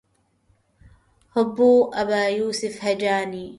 هبوا أبا يوسف هجاني